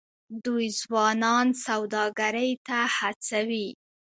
دوی ځوانان سوداګرۍ ته هڅوي.